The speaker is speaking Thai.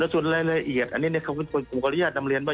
จุดละละเอียดรุ่นครูโบราณนำเรียนป่ะ